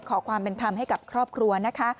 ขอความเป็นธรรมให้กับครอบครัวนะคะ